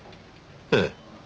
ええ。